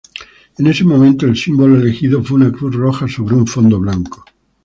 En ese momento, el símbolo elegido fue una cruz roja sobre un fondo blanco.